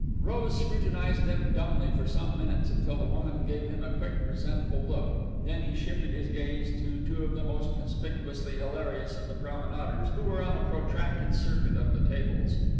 Rose scrutinized them dumbly for some minutes until the woman gave him a quick, resentful look; then he shifted his gaze to two of the most conspicuously hilarious of the promenaders who were on a protracted circuit of the tables.